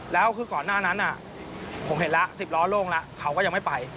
แล้วคือก่อนหน้านั้นผมเห็นแล้ว๑๐ล้อโล่งแล้วเขาก็ยังไม่ไป